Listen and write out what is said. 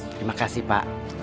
terima kasih pak